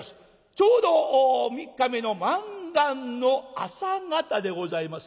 ちょうど３日目の満願の朝方でございますね。